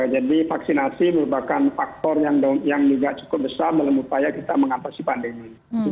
jadi vaksinasi merupakan faktor yang cukup besar dalam upaya kita mengatasi pandemi